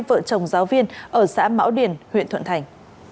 vợ chồng giáo viên ở xã mão điền huyện thuận thành